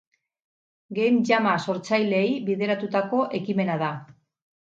Game Jama sortzaileei bideratutako ekimena da